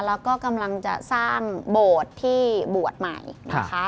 แล้วก็กำลังจะสร้างโบสถ์ที่บวชใหม่นะคะ